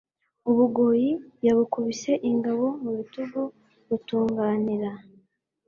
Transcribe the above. U Bugoyi yabukubise ingabo mu bitugu butunganira